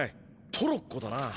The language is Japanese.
トロッコだな。